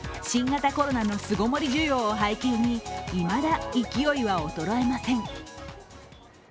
新型コロナの巣ごもり需要を背景にいまだ勢いは衰えません。